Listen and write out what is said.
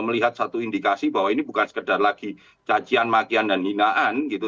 melihat satu indikasi bahwa ini bukan sekedar lagi cacian makian dan hinaan gitu